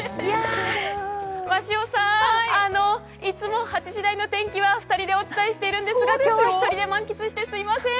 鷲尾さん、いつも８時台の天気は２人でお伝えしているんですが今日は１人で満喫してすみません。